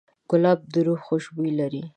ګلاب د روح خوشبو لري.